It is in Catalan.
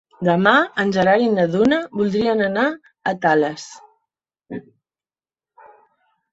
Demà en Gerard i na Duna voldrien anar a Tales.